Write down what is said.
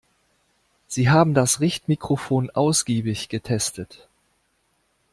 Sie haben das Richtmikrofon ausgiebig getestet.